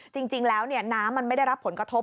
จริงแล้วน้ำมันไม่ได้รับผลกระทบ